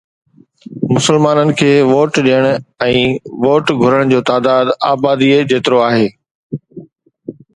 مسلمانن کي ووٽ ڏيڻ ۽ ووٽ گهرڻ جو تعداد آبادي جيترو آهي.